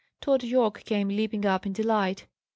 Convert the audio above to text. Tod Yorke came leaping up in delight.